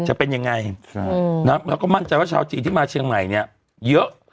จะเป็นยังไงแล้วก็มั่นใจว่าชาวจีนที่มาเชียงใหม่เนี่ยเยอะ